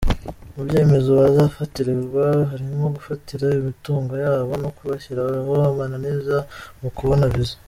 Mu byemezo bazafatirwa harimo gufatira imitungo yabo no kubashyiriraho amananiza mu kubona viza.